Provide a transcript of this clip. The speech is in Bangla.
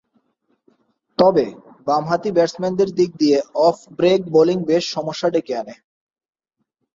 তবে, বামহাতি ব্যাটসম্যানের দিক দিয়ে অফ ব্রেক বোলিং বেশ সমস্যা ডেকে আনে।